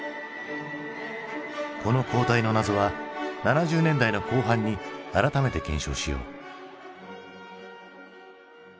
この交代の謎は７０年代の後半に改めて検証しよう。